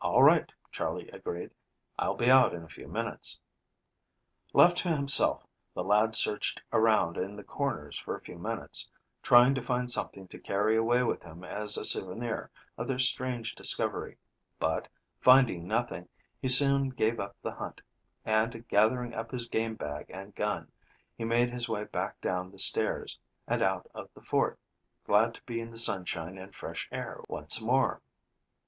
"All right," Charley agreed. "I'll be out in a few minutes." Left to himself, the lad searched around in the corners for a few minutes, trying to find something to carry away with him as a souvenir of their strange discovery, but, finding nothing, he soon gave up the hunt, and, gathering up his game bag and gun, he made his way back down the stairs and out of the fort, glad to be in the sunshine and fresh air once more.